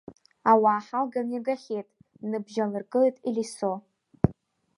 Ауаа ҳалганы иргахьеит, ныбжьалыргылеит Елисо.